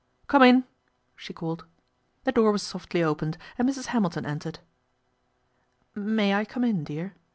" Come in," she called. The door was softly opened and Mrs. Hamilton entered. " May I come in, dear